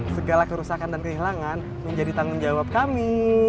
segala kerusakan dan kehilangan menjadi tanggung jawab kami